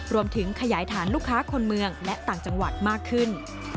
รวมถึงขยายฐานลูกค้าคนเมืองและต่างจังหวัดมากขึ้น